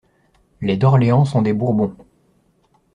Les d'Orléans sont des Bourbons.